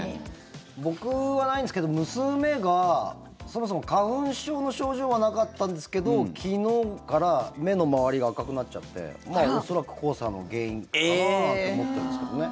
僕はないんですけど娘が、そもそも花粉症の症状はなかったんですけど昨日から目の周りが赤くなっちゃって恐らく黄砂が原因かなと思ってるんですけどね。